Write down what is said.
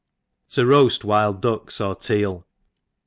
\ To roafi Wild Ducks or Teal.